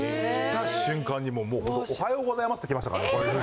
来た瞬間にもう「おはようございます」って来ましたから。